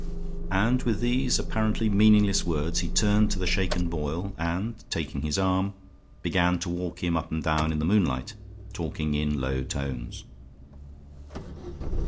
And with these apparently meaningless words he turned to the shaken Boyle and, taking his arm, began to walk him up and down in the moonlight, talking in low tones.